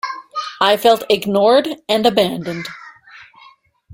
I felt ignored and abandoned.